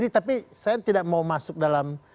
tapi saya tidak mau masuk dalam